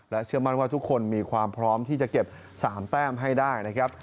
เชื่อมั่นว่าทุกคนมีความพร้อมที่จะเก็บ๓แต้มให้ได้นะครับ